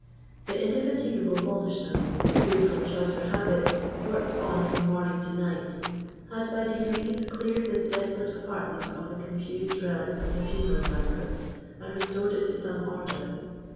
The indefatigable Balderstone, who, from choice or habit, worked on from morning to night, had by degrees cleared this desolate apartment of the confused relics of the funeral banquet, and restored it to some order.